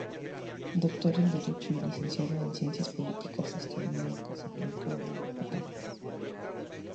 Doctor en Derecho y licenciado en Ciencias Políticas, estudió en Casablanca, Rabat y París.